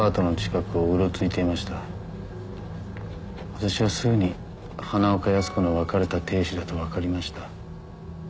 私はすぐに花岡靖子の別れた亭主だと分かりました